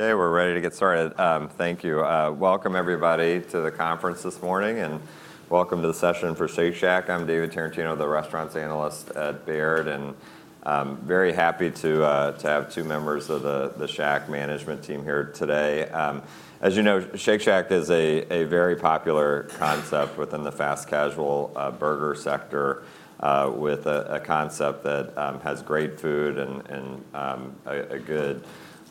Okay, we're ready to get started. Thank you. Welcome, everybody, to the conference this morning, and welcome to the session for Shake Shack. I'm David Tarantino, the Restaurants analyst at Baird, and very happy to have two members of the Shack management team here today. As you know, Shake Shack is a very popular concept within the fast-casual burger sector, with a concept that has great food and a good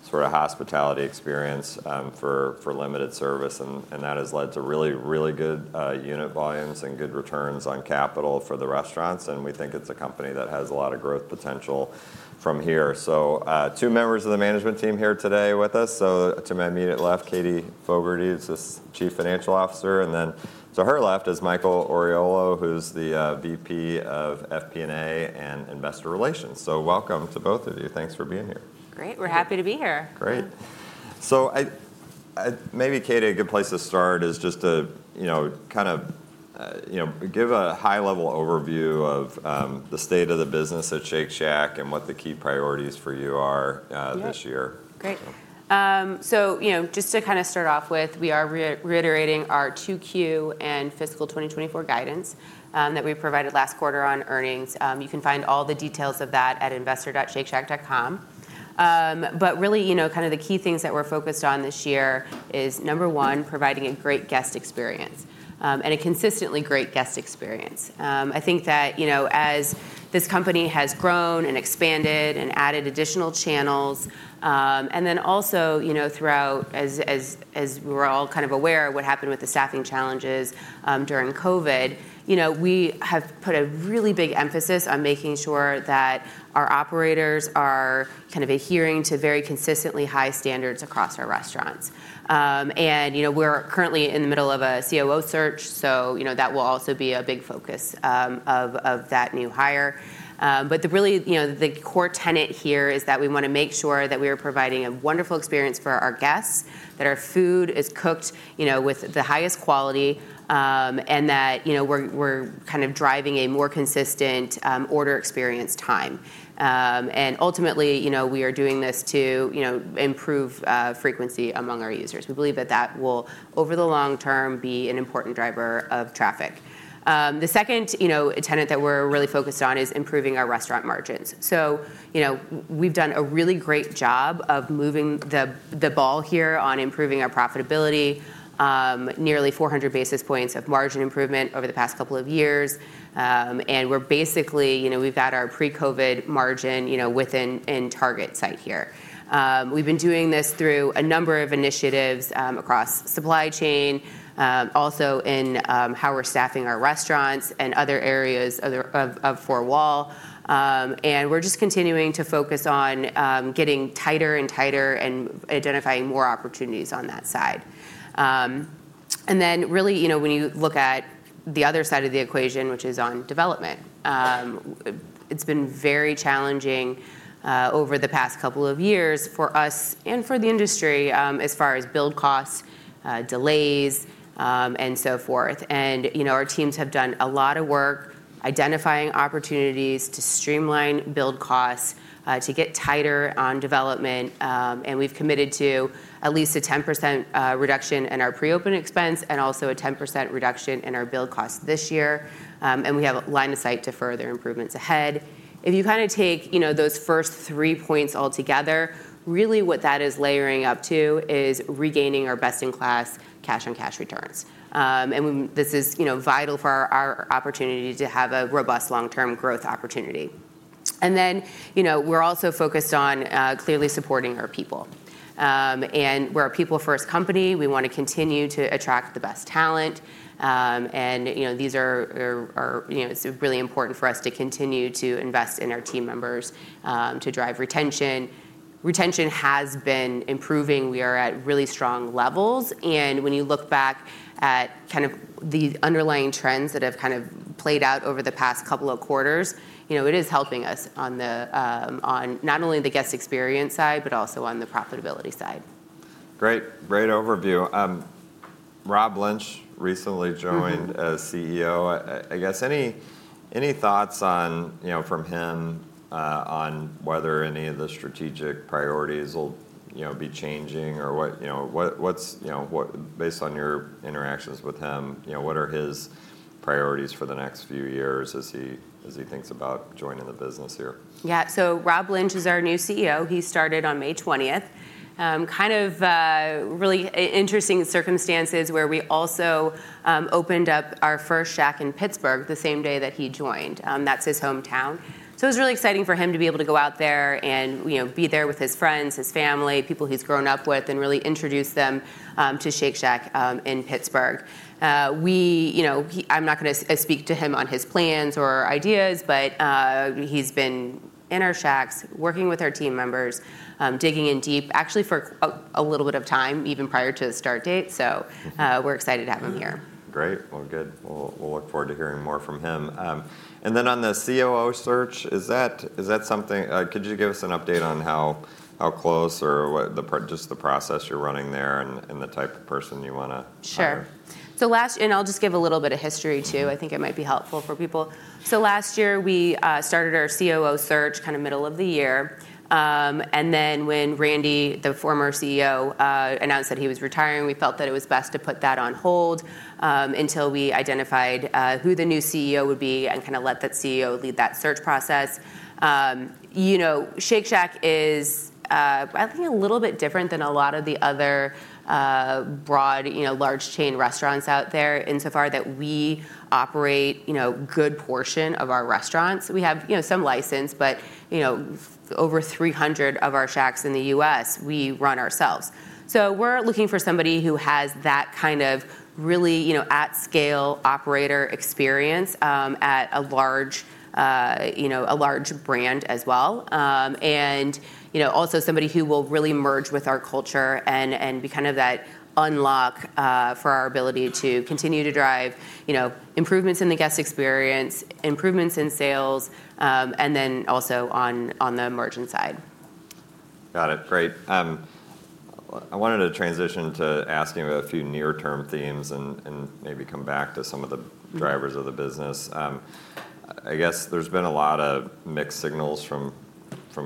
sort of hospitality experience for limited service. And that has led to really, really good unit volumes and good returns on capital for the restaurants. And we think it's a company that has a lot of growth potential from here. So, two members of the management team here today with us. So, to my immediate left, Katie Fogertey, who's the Chief Financial Officer. And then to her left is Michael Oriolo, who's the VP of FP&A and Investor Relations. Welcome to both of you. Thanks for being here. Great. We're happy to be here. Great. So, maybe, Katie, a good place to start is just to kind of give a high-level overview of the state of the business at Shake Shack and what the key priorities for you are this year. Great. So, just to kind of start off with, we are reiterating our 2Q and fiscal 2024 guidance that we provided last quarter on earnings. You can find all the details of that at investor.shakeshack.com. But really, kind of the key things that we're focused on this year is, number one, providing a great guest experience and a consistently great guest experience. I think that as this company has grown and expanded and added additional channels, and then also throughout, as we're all kind of aware, what happened with the staffing challenges during COVID, we have put a really big emphasis on making sure that our operators are kind of adhering to very consistently high standards across our restaurants. And we're currently in the middle of a COO search, so that will also be a big focus of that new hire. But really, the core tenet here is that we want to make sure that we are providing a wonderful experience for our guests, that our food is cooked with the highest quality, and that we're kind of driving a more consistent order experience time. And ultimately, we are doing this to improve frequency among our users. We believe that that will, over the long term, be an important driver of traffic. The second tenet that we're really focused on is improving our restaurant margins. So, we've done a really great job of moving the ball here on improving our profitability, nearly 400 basis points of margin improvement over the past couple of years. And we're basically, we've got our pre-COVID margin within sight here. We've been doing this through a number of initiatives across supply chain, also in how we're staffing our restaurants and other areas of four-wall. We're just continuing to focus on getting tighter and tighter and identifying more opportunities on that side. Then really, when you look at the other side of the equation, which is on development, it's been very challenging over the past couple of years for us and for the industry as far as build costs, delays, and so forth. Our teams have done a lot of work identifying opportunities to streamline build costs, to get tighter on development. We've committed to at least a 10% reduction in our pre-open expense and also a 10% reduction in our build costs this year. We have a line of sight to further improvements ahead. If you kind of take those first three points altogether, really what that is layering up to is regaining our best-in-class cash-on-cash returns. This is vital for our opportunity to have a robust long-term growth opportunity. Then we're also focused on clearly supporting our people. We're a people-first company. We want to continue to attract the best talent. These are really important for us to continue to invest in our team members to drive retention. Retention has been improving. We are at really strong levels. When you look back at kind of the underlying trends that have kind of played out over the past couple of quarters, it is helping us on not only the guest experience side, but also on the profitability side. Great. Great overview. Rob Lynch recently joined as CEO. I guess any thoughts from him on whether any of the strategic priorities will be changing or what's, based on your interactions with him, what are his priorities for the next few years as he thinks about joining the business here? Yeah. So, Rob Lynch is our new CEO. He started on May 20th. Kind of really interesting circumstances where we also opened up our first Shack in Pittsburgh the same day that he joined. That's his hometown. So, it was really exciting for him to be able to go out there and be there with his friends, his family, people he's grown up with, and really introduce them to Shake Shack in Pittsburgh. I'm not going to speak to him on his plans or ideas, but he's been in our Shacks, working with our team members, digging in deep, actually for a little bit of time, even prior to the start date. So, we're excited to have him here. Great. Well, good. We'll look forward to hearing more from him. And then on the COO search, is that something could you give us an update on how close or just the process you're running there and the type of person you want to hire? Sure. So, last year, and I'll just give a little bit of history too. I think it might be helpful for people. So, last year, we started our COO search kind of middle of the year. And then when Randy, the former CEO, announced that he was retiring, we felt that it was best to put that on hold until we identified who the new CEO would be and kind of let that CEO lead that search process. Shake Shack is, I think, a little bit different than a lot of the other broad, large chain restaurants out there insofar that we operate a good portion of our restaurants. We have some license, but over 300 of our Shacks in the U.S., we run ourselves. So, we're looking for somebody who has that kind of really at-scale operator experience at a large brand as well. And also somebody who will really merge with our culture and be kind of that unlock for our ability to continue to drive improvements in the guest experience, improvements in sales, and then also on the margin side. Got it. Great. I wanted to transition to ask you about a few near-term themes and maybe come back to some of the drivers of the business. I guess there's been a lot of mixed signals from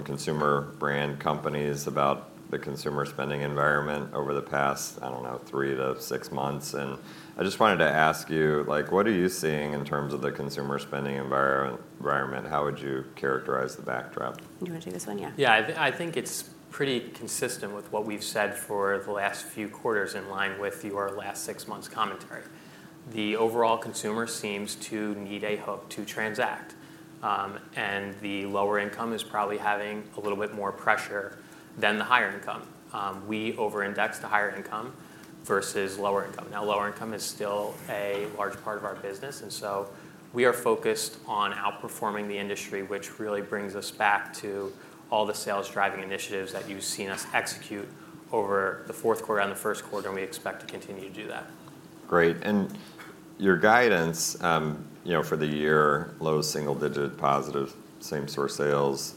consumer brand companies about the consumer spending environment over the past, I don't know, 3-6 months. I just wanted to ask you, what are you seeing in terms of the consumer spending environment? How would you characterize the backdrop? Do you want to take this one? Yeah. Yeah. I think it's pretty consistent with what we've said for the last few quarters in line with your last six months' commentary. The overall consumer seems to need a hook to transact. The lower income is probably having a little bit more pressure than the higher income. We over-index to higher income versus lower income. Now, lower income is still a large part of our business. So, we are focused on outperforming the industry, which really brings us back to all the sales-driving initiatives that you've seen us execute over the Q4 and the Q1, and we expect to continue to do that. Great. And your guidance for the year, low single-digit positive, same-store sales,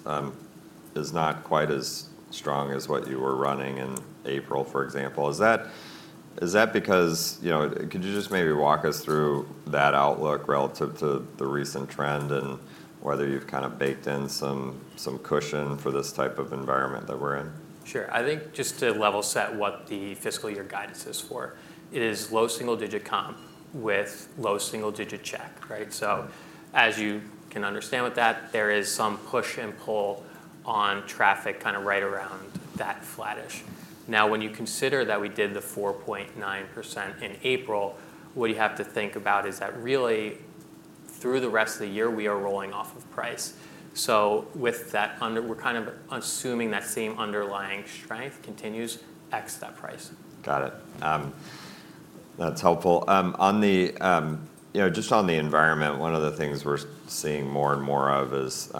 is not quite as strong as what you were running in April, for example. Is that because? Could you just maybe walk us through that outlook relative to the recent trend and whether you've kind of baked in some cushion for this type of environment that we're in? Sure. I think just to level set what the fiscal year guidance is for, it is low single-digit comp with low single-digit check, right? So, as you can understand with that, there is some push and pull on traffic kind of right around that flattish. Now, when you consider that we did the 4.9% in April, what you have to think about is that really through the rest of the year, we are rolling off of price. So, with that, we're kind of assuming that same underlying strength continues ex that price. Got it. That's helpful. Just on the environment, one of the things we're seeing more and more of is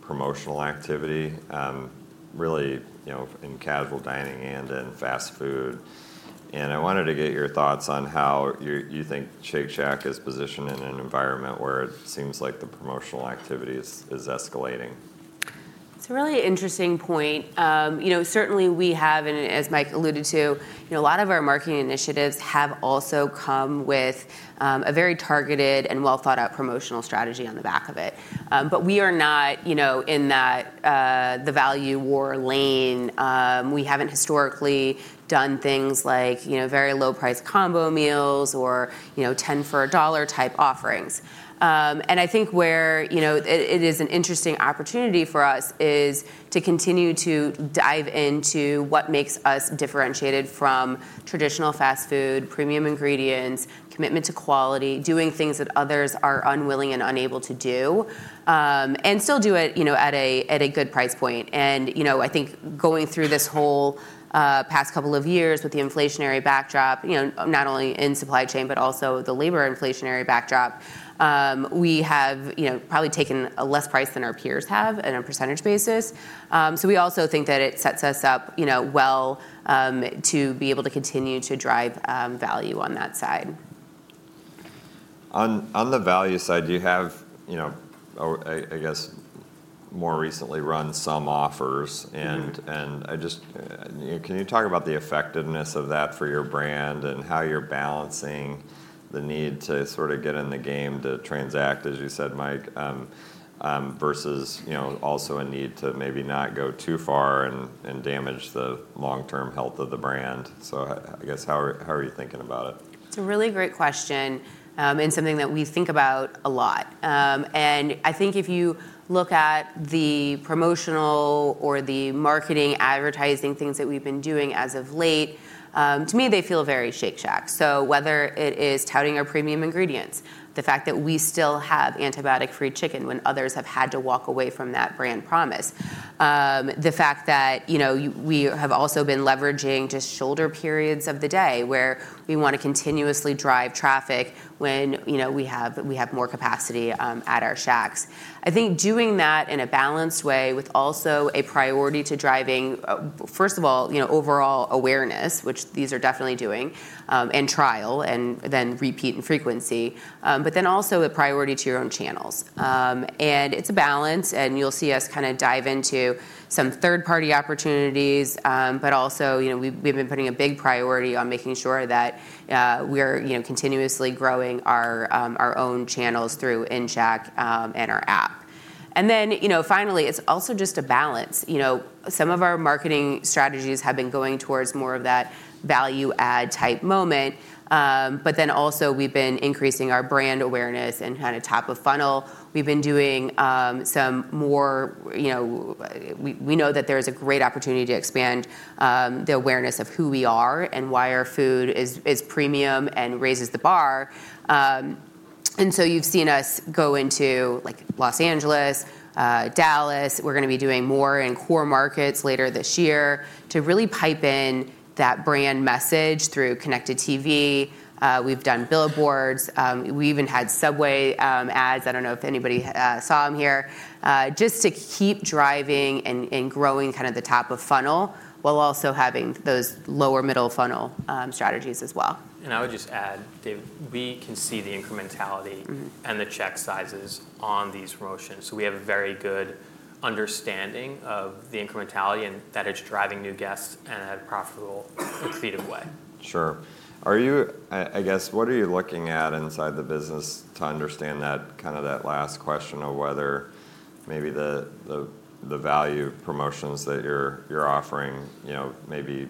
promotional activity, really in casual dining and in fast food. I wanted to get your thoughts on how you think Shake Shack is positioned in an environment where it seems like the promotional activity is escalating. It's a really interesting point. Certainly, we have, and as Mike alluded to, a lot of our marketing initiatives have also come with a very targeted and well-thought-out promotional strategy on the back of it. But we are not in the value war lane. We haven't historically done things like very low-priced combo meals or 10-for-$1 type offerings. And I think where it is an interesting opportunity for us is to continue to dive into what makes us differentiated from traditional fast food, premium ingredients, commitment to quality, doing things that others are unwilling and unable to do, and still do it at a good price point. And I think going through this whole past couple of years with the inflationary backdrop, not only in supply chain, but also the labor inflationary backdrop, we have probably taken a less price than our peers have on a percentage basis. We also think that it sets us up well to be able to continue to drive value on that side. On the value side, you have, I guess, more recently run some offers. And can you talk about the effectiveness of that for your brand and how you're balancing the need to sort of get in the game to transact, as you said, Mike, versus also a need to maybe not go too far and damage the long-term health of the brand? So, I guess, how are you thinking about it? It's a really great question and something that we think about a lot. I think if you look at the promotional or the marketing advertising things that we've been doing as of late, to me, they feel very Shake Shack. So, whether it is touting our premium ingredients, the fact that we still have antibiotic-free chicken when others have had to walk away from that brand promise, the fact that we have also been leveraging just shoulder periods of the day where we want to continuously drive traffic when we have more capacity at our Shacks. I think doing that in a balanced way with also a priority to driving, first of all, overall awareness, which these are definitely doing, and trial and then repeat and frequency, but then also a priority to your own channels. It's a balance. You'll see us kind of dive into some third-party opportunities, but also we've been putting a big priority on making sure that we are continuously growing our own channels through in-Shack and our app. Then finally, it's also just a balance. Some of our marketing strategies have been going towards more of that value-add type moment. But then also, we've been increasing our brand awareness and kind of top of funnel. We've been doing some more. We know that there is a great opportunity to expand the awareness of who we are and why our food is premium and raises the bar. And so, you've seen us go into Los Angeles, Dallas. We're going to be doing more in core markets later this year to really pipe in that brand message through Connected TV. We've done billboards. We even had subway ads. I don't know if anybody saw them here. Just to keep driving and growing kind of the top of funnel while also having those lower middle funnel strategies as well. I would just add, David, we can see the incrementality and the check sizes on these promotions. We have a very good understanding of the incrementality and that it's driving new guests in a profitable, creative way. Sure. I guess, what are you looking at inside the business to understand that kind of that last question of whether maybe the value promotions that you're offering may be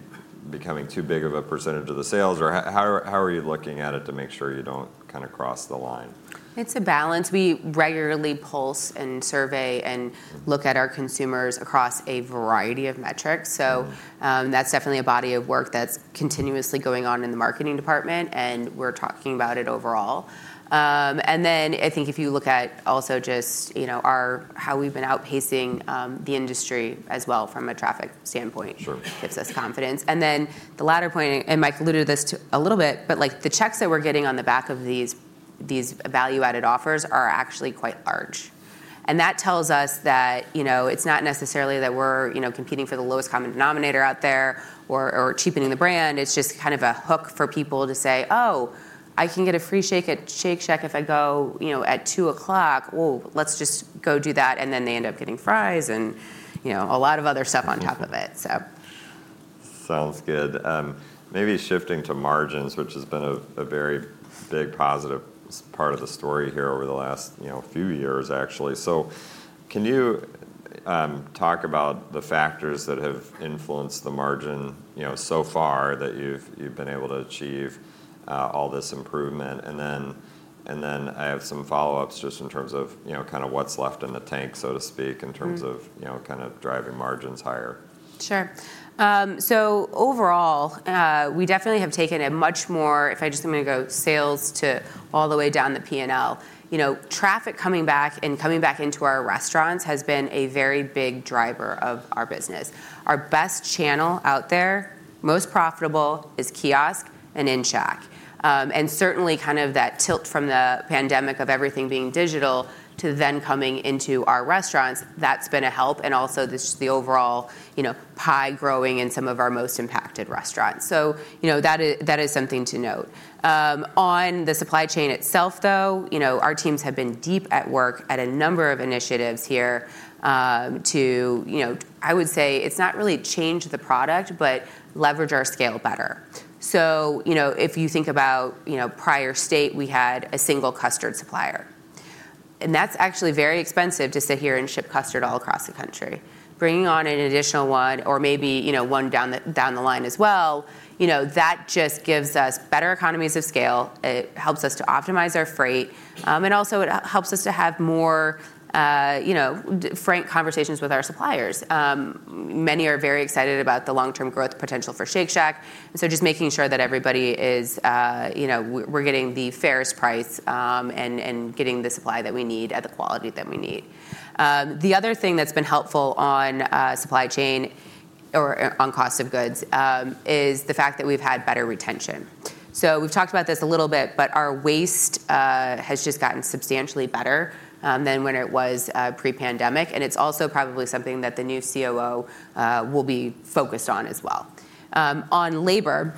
becoming too big of a percentage of the sales? Or how are you looking at it to make sure you don't kind of cross the line? It's a balance. We regularly pulse and survey and look at our consumers across a variety of metrics. So, that's definitely a body of work that's continuously going on in the marketing department. We're talking about it overall. Then I think if you look at also just how we've been outpacing the industry as well from a traffic standpoint, it gives us confidence. Then the latter point, and Mike alluded to this a little bit, but the checks that we're getting on the back of these value-added offers are actually quite large. That tells us that it's not necessarily that we're competing for the lowest common denominator out there or cheapening the brand. It's just kind of a hook for people to say, "Oh, I can get a free Shake Shack if I go at 2:00. Oh, let's just go do that." And then they end up getting fries and a lot of other stuff on top of it, so. Sounds good. Maybe shifting to margins, which has been a very big positive part of the story here over the last few years, actually. So, can you talk about the factors that have influenced the margin so far that you've been able to achieve all this improvement? And then I have some follow-ups just in terms of kind of what's left in the tank, so to speak, in terms of kind of driving margins higher. Sure. So, overall, we definitely have taken a much more, if I just am going to go sales, to all the way down the P&L. Traffic coming back and coming back into our restaurants has been a very big driver of our business. Our best channel out there, most profitable, is kiosk and in-Shack. And certainly kind of that tilt from the pandemic of everything being digital to then coming into our restaurants, that's been a help. And also just the overall pie growing in some of our most impacted restaurants. So, that is something to note. On the supply chain itself, though, our teams have been deep at work at a number of initiatives here to, I would say, it's not really change the product, but leverage our scale better. So, if you think about prior state, we had a single custard supplier. And that's actually very expensive to sit here and ship custard all across the country. Bringing on an additional one or maybe one down the line as well, that just gives us better economies of scale. It helps us to optimize our freight. And also, it helps us to have more frank conversations with our suppliers. Many are very excited about the long-term growth potential for Shake Shack. And so, just making sure that everybody is, we're getting the fairest price and getting the supply that we need at the quality that we need. The other thing that's been helpful on supply chain or on cost of goods is the fact that we've had better retention. So, we've talked about this a little bit, but our waste has just gotten substantially better than when it was pre-pandemic. It's also probably something that the new COO will be focused on as well. On labor,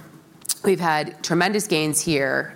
we've had tremendous gains here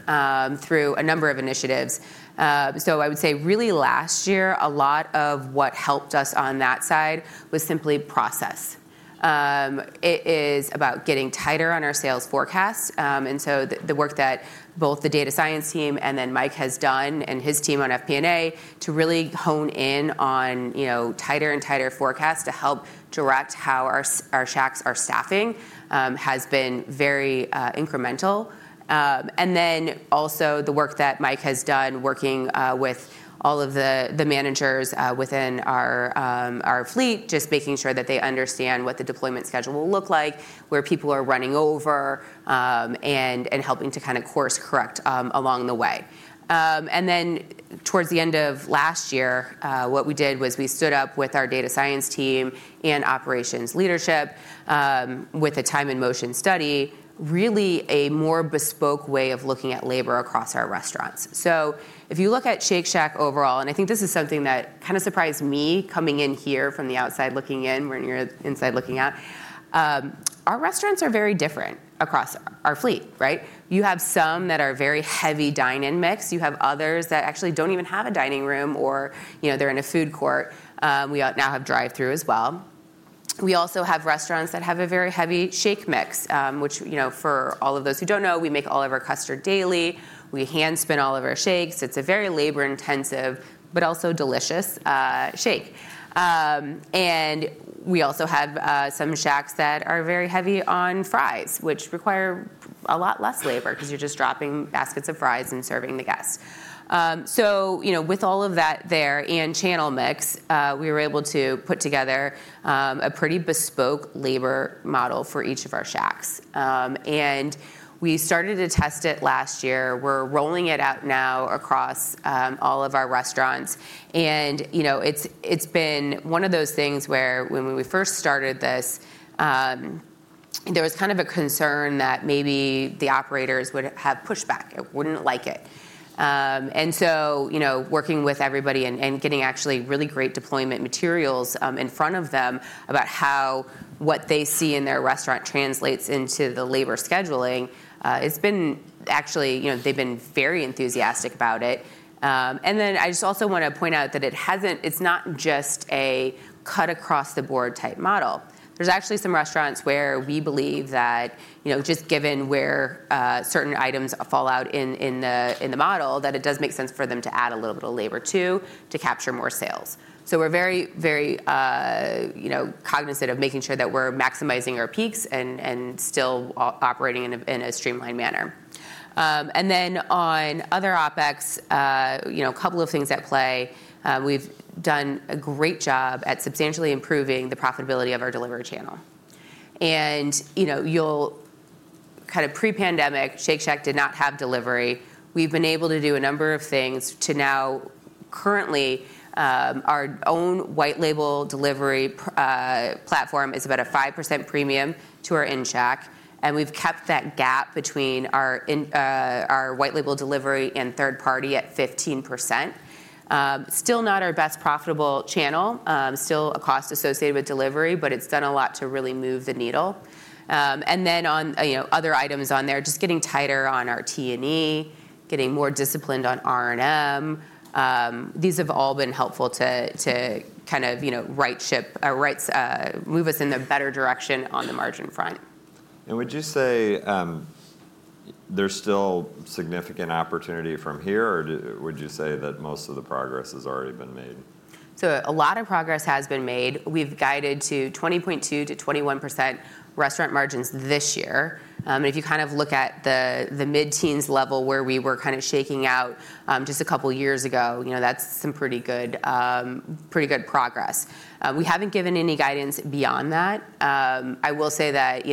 through a number of initiatives. I would say really last year, a lot of what helped us on that side was simply process. It is about getting tighter on our sales forecast. So, the work that both the data science team and then Mike has done and his team on FP&A to really hone in on tighter and tighter forecasts to help direct how our Shacks, our staffing has been very incremental. Then also the work that Mike has done working with all of the managers within our fleet, just making sure that they understand what the deployment schedule will look like, where people are running over, and helping to kind of course correct along the way. And then towards the end of last year, what we did was we stood up with our data science team and operations leadership with a time and motion study, really a more bespoke way of looking at labor across our restaurants. So, if you look at Shake Shack overall, and I think this is something that kind of surprised me coming in here from the outside looking in, when you're inside looking out, our restaurants are very different across our fleet, right? You have some that are very heavy dine-in mix. You have others that actually don't even have a dining room or they're in a food court. We now have drive-through as well. We also have restaurants that have a very heavy shake mix, which for all of those who don't know, we make all of our custard daily. We hand-spin all of our shakes. It's a very labor-intensive, but also delicious shake. And we also have some Shacks that are very heavy on fries, which require a lot less labor because you're just dropping baskets of fries and serving the guests. So, with all of that there and channel mix, we were able to put together a pretty bespoke labor model for each of our Shacks. And we started to test it last year. We're rolling it out now across all of our restaurants. And it's been one of those things where when we first started this, there was kind of a concern that maybe the operators would have pushed back. It wouldn't like it. And so, working with everybody and getting actually really great deployment materials in front of them about how what they see in their restaurant translates into the labor scheduling, it's been actually, they've been very enthusiastic about it. And then I just also want to point out that it's not just a cut-across-the-board type model. There's actually some restaurants where we believe that just given where certain items fall out in the model, that it does make sense for them to add a little bit of labor too to capture more sales. So, we're very, very cognizant of making sure that we're maximizing our peaks and still operating in a streamlined manner. And then on other OpEx, a couple of things at play. We've done a great job at substantially improving the profitability of our delivery channel. And kind of pre-pandemic, Shake Shack did not have delivery. We've been able to do a number of things to now currently our own white-label delivery platform is about a 5% premium to our in-Shack. And we've kept that gap between our white-label delivery and third-party at 15%. Still not our best profitable channel. Still a cost associated with delivery, but it's done a lot to really move the needle. Then on other items on there, just getting tighter on our T&E, getting more disciplined on R&M. These have all been helpful to kind of move us in a better direction on the margin front. Would you say there's still significant opportunity from here, or would you say that most of the progress has already been made? So, a lot of progress has been made. We've guided to 20.2%-21% restaurant margins this year. If you kind of look at the mid-teens level where we were kind of shaking out just a couple of years ago, that's some pretty good progress. We haven't given any guidance beyond that. I will say that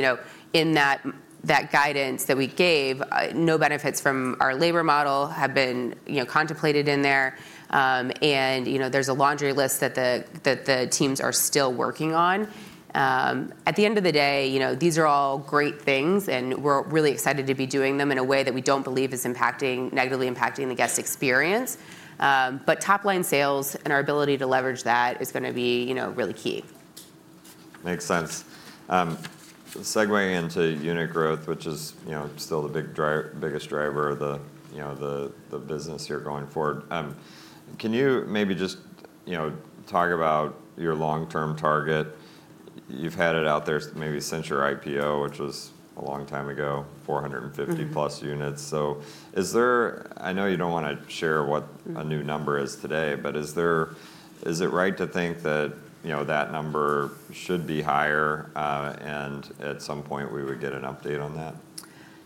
in that guidance that we gave, no benefits from our labor model have been contemplated in there. There's a laundry list that the teams are still working on. At the end of the day, these are all great things. We're really excited to be doing them in a way that we don't believe is negatively impacting the guest experience. But top-line sales and our ability to leverage that is going to be really key. Makes sense. Segueing into unit growth, which is still the biggest driver of the business here going forward. Can you maybe just talk about your long-term target? You've had it out there maybe since your IPO, which was a long time ago, 450+ units. So, I know you don't want to share what a new number is today, but is it right to think that that number should be higher and at some point we would get an update on that?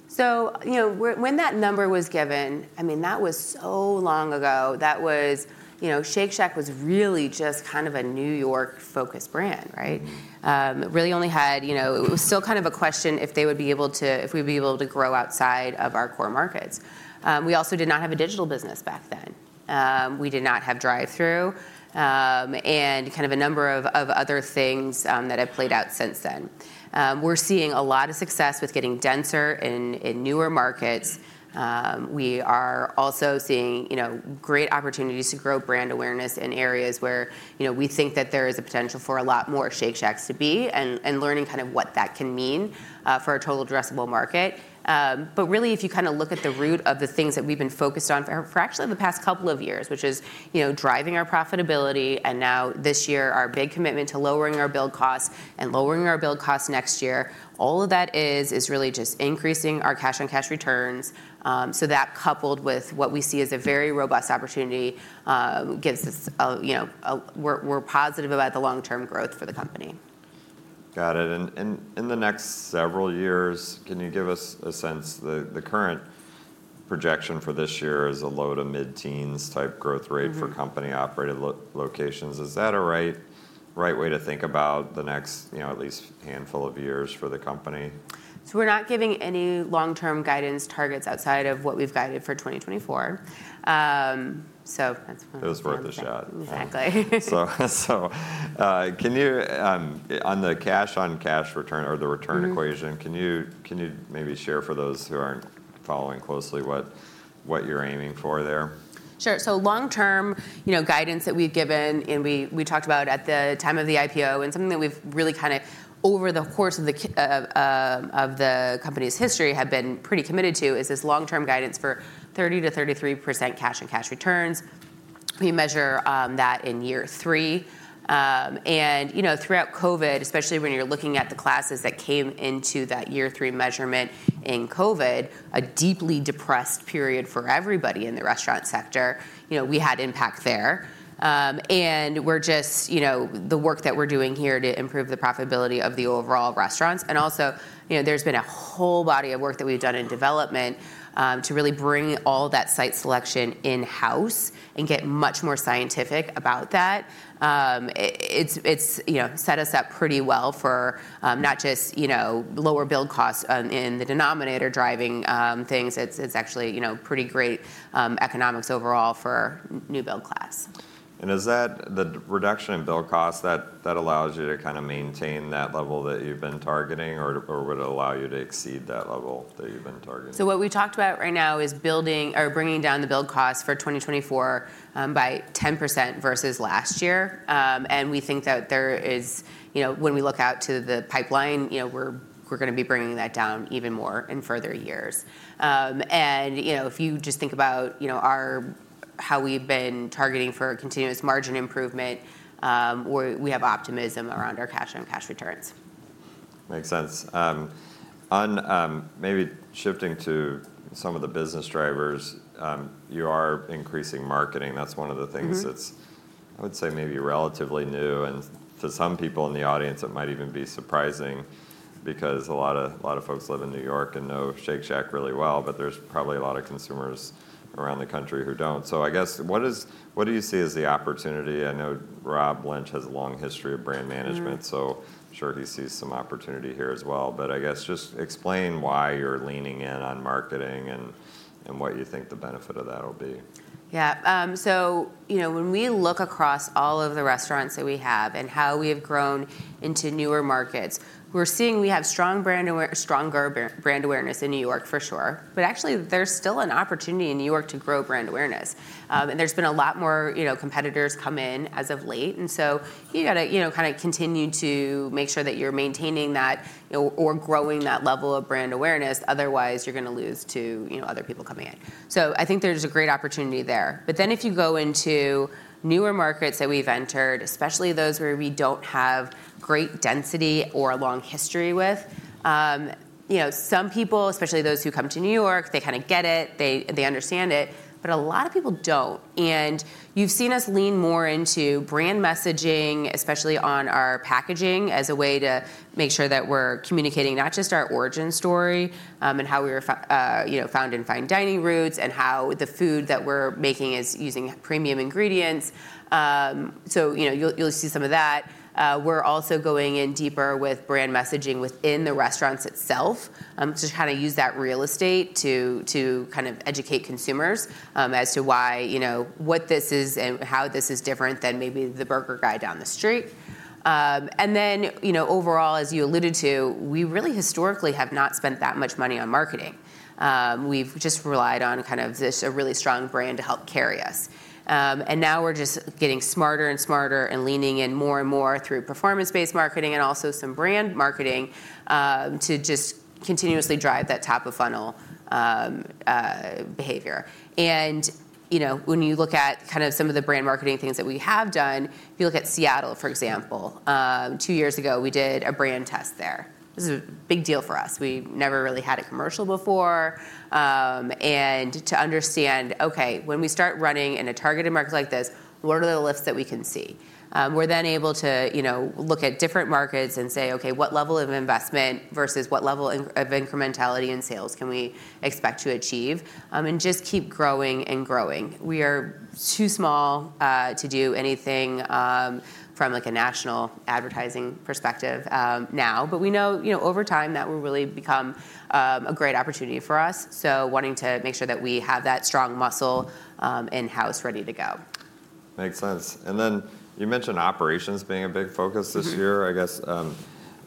So, when that number was given, I mean, that was so long ago. Shake Shack was really just kind of a New York-focused brand, right? Really only had, it was still kind of a question if they would be able to, if we'd be able to grow outside of our core markets. We also did not have a digital business back then. We did not have drive-through and kind of a number of other things that have played out since then. We're seeing a lot of success with getting denser in newer markets. We are also seeing great opportunities to grow brand awareness in areas where we think that there is a potential for a lot more Shake Shacks to be and learning kind of what that can mean for a total addressable market. But really, if you kind of look at the root of the things that we've been focused on for actually the past couple of years, which is driving our profitability and now this year our big commitment to lowering our build costs and lowering our build costs next year, all of that is really just increasing our cash-on-cash returns. So, that coupled with what we see as a very robust opportunity gives us, we're positive about the long-term growth for the company. Got it. In the next several years, can you give us a sense? The current projection for this year is a low- to mid-teens type growth rate for company-operated locations. Is that a right way to think about the next at least handful of years for the company? So, we're not giving any long-term guidance targets outside of what we've guided for 2024. So, that's one. It was worth a shot. Exactly. Can you, on the cash-on-cash return or the return equation, can you maybe share for those who aren't following closely what you're aiming for there? Sure. So, long-term guidance that we've given and we talked about at the time of the IPO and something that we've really kind of over the course of the company's history have been pretty committed to is this long-term guidance for 30%-33% cash-on-cash returns. We measure that in year three. And throughout COVID, especially when you're looking at the classes that came into that year three measurement in COVID, a deeply depressed period for everybody in the restaurant sector, we had impact there. And we're just, the work that we're doing here to improve the profitability of the overall restaurants. And also, there's been a whole body of work that we've done in development to really bring all that site selection in-house and get much more scientific about that. It's set us up pretty well for not just lower build costs in the denominator driving things. It's actually pretty great economics overall for new build class. Is that the reduction in build costs that allows you to kind of maintain that level that you've been targeting or would it allow you to exceed that level that you've been targeting? What we talked about right now is building or bringing down the build costs for 2024 by 10% versus last year. We think that there is, when we look out to the pipeline, we're going to be bringing that down even more in further years. If you just think about how we've been targeting for continuous margin improvement, we have optimism around our cash-on-cash returns. Makes sense. On maybe shifting to some of the business drivers, you are increasing marketing. That's one of the things that's, I would say, maybe relatively new. And to some people in the audience, it might even be surprising because a lot of folks live in New York and know Shake Shack really well, but there's probably a lot of consumers around the country who don't. So, I guess, what do you see as the opportunity? I know Rob Lynch has a long history of brand management, so I'm sure he sees some opportunity here as well. But I guess just explain why you're leaning in on marketing and what you think the benefit of that will be. Yeah. So, when we look across all of the restaurants that we have and how we have grown into newer markets, we're seeing we have stronger brand awareness in New York, for sure. But actually, there's still an opportunity in New York to grow brand awareness. And there's been a lot more competitors come in as of late. And so, you got to kind of continue to make sure that you're maintaining that or growing that level of brand awareness. Otherwise, you're going to lose to other people coming in. So, I think there's a great opportunity there. But then if you go into newer markets that we've entered, especially those where we don't have great density or a long history with, some people, especially those who come to New York, they kind of get it. They understand it. But a lot of people don't. You've seen us lean more into brand messaging, especially on our packaging as a way to make sure that we're communicating not just our origin story and how we were found in fine dining routes and how the food that we're making is using premium ingredients. So, you'll see some of that. We're also going in deeper with brand messaging within the restaurants itself to kind of use that real estate to kind of educate consumers as to why, what this is and how this is different than maybe the burger guy down the street. And then overall, as you alluded to, we really historically have not spent that much money on marketing. We've just relied on kind of this really strong brand to help carry us. And now we're just getting smarter and smarter and leaning in more and more through performance-based marketing and also some brand marketing to just continuously drive that top-of-funnel behavior. And when you look at kind of some of the brand marketing things that we have done, if you look at Seattle, for example, two years ago, we did a brand test there. This is a big deal for us. We never really had a commercial before. And to understand, okay, when we start running in a targeted market like this, what are the lifts that we can see? We're then able to look at different markets and say, okay, what level of investment versus what level of incrementality in sales can we expect to achieve? And just keep growing and growing. We are too small to do anything from a national advertising perspective now. But we know over time that will really become a great opportunity for us. So, wanting to make sure that we have that strong muscle in-house ready to go. Makes sense. And then you mentioned operations being a big focus this year. I guess,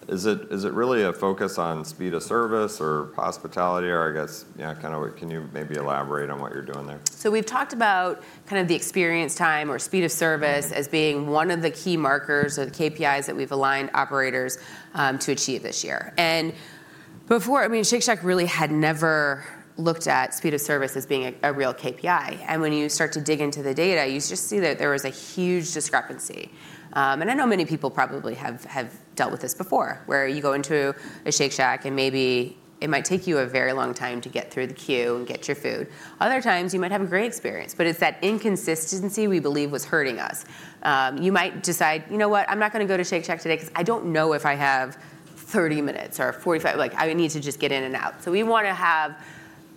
is it really a focus on speed of service or hospitality or I guess kind of can you maybe elaborate on what you're doing there? So, we've talked about kind of the experience time or speed of service as being one of the key markers or the KPIs that we've aligned operators to achieve this year. And before, I mean, Shake Shack really had never looked at speed of service as being a real KPI. And when you start to dig into the data, you just see that there was a huge discrepancy. And I know many people probably have dealt with this before where you go into a Shake Shack and maybe it might take you a very long time to get through the queue and get your food. Other times, you might have a great experience. But it's that inconsistency we believe was hurting us. You might decide, you know what, I'm not going to go to Shake Shack today because I don't know if I have 30 minutes or 45. I need to just get in and out. So, we want to have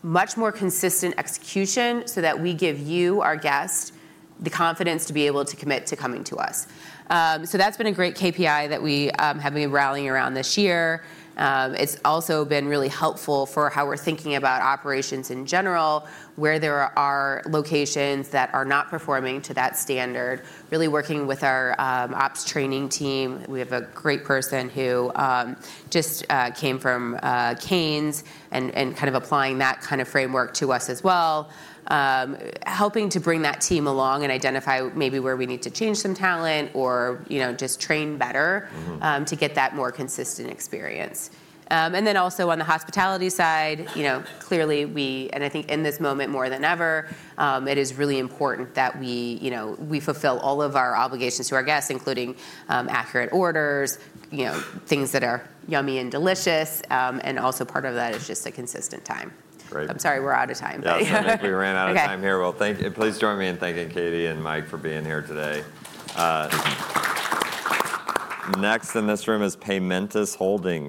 much more consistent execution so that we give you, our guest, the confidence to be able to commit to coming to us. So, that's been a great KPI that we have been rallying around this year. It's also been really helpful for how we're thinking about operations in general, where there are locations that are not performing to that standard. Really working with our ops training team. We have a great person who just came from Raising Cane's and kind of applying that kind of framework to us as well, helping to bring that team along and identify maybe where we need to change some talent or just train better to get that more consistent experience. And then also on the hospitality side, clearly, and I think in this moment more than ever, it is really important that we fulfill all of our obligations to our guests, including accurate orders, things that are yummy and delicious. And also part of that is just a consistent time. I'm sorry, we're out of time. We ran out of time here. Well, thank you. Please join me in thanking Katie and Mike for being here today. Next in this room is Paymentus Holdings.